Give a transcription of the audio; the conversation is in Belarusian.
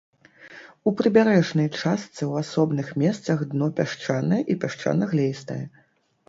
У прыбярэжнай частцы ў асобных месцах дно пясчанае і пясчана-глеістае.